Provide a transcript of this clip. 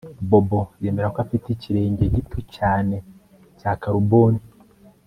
Bobo yemera ko afite ikirenge gito cyane cya karuboni